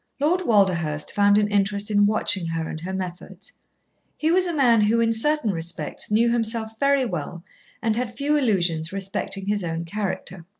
Lord Walderhurst found an interest in watching her and her methods. He was a man who, in certain respects, knew himself very well and had few illusions respecting his own character.